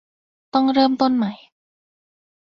ต้องเริ่มต้นใหม่